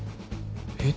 えっ？